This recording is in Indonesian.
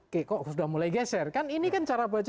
kok sudah mulai geser kan ini kan cara baca